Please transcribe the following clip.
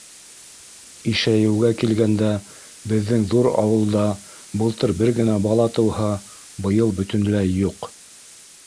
Ишәйеүгә килгәндә, беҙҙең ҙур ауылда былтыр бер генә бала тыуһа, быйыл бөтөнләй юҡ!